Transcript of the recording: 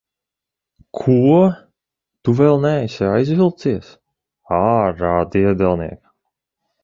Ko? Tu vēl neesi aizvilcies? Ārā, diedelniek!